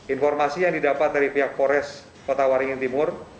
informasi yang didapat dari pihak polres kota waringin timur